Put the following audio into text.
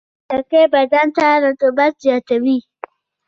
خټکی بدن ته رطوبت زیاتوي.